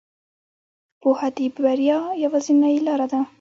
پوهه د بریا یوازینۍ لاره ده.